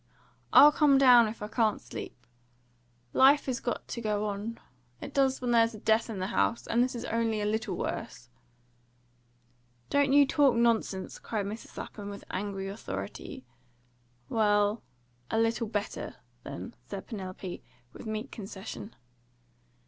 I'll come down if I can't sleep. Life has got to go on. It does when there's a death in the house, and this is only a little worse." "Don't you talk nonsense!" cried Mrs. Lapham, with angry authority. "Well, a little better, then," said Penelope, with meek concession.